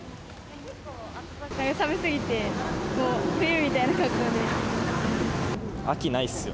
寒すぎてもう、冬みたいな格好で。